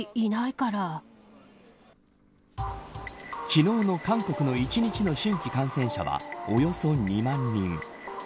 昨日の韓国の１日の新規感染者はおよそ２万人。